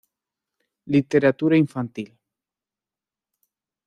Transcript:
Literatura infantil